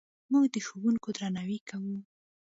موږ د ښوونکو درناوی کوو.